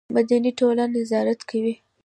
مدني ټولنه نظارت کوي